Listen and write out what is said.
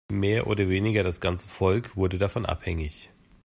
Mehr oder weniger das ganze Volk wurde davon abhängig.